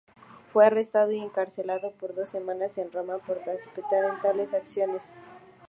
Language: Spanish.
Fue arrestado y encarcelado por dos semanas en Roma por participar en tales acciones.